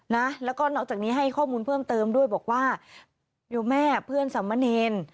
นะแล้วก็นอกจากนี้ให้ข้อมูลเพิ่มเติมด้วยบอกว่าอยู่แม่เพื่อนสามเณร